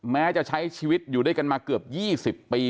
แม้จะใช้ชีวิตอยู่ด้วยกันมาเกือบ๒๐ปี